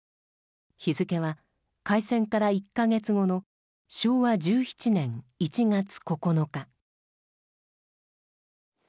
日付は開戦から１か月後の昭和１７年１月９日。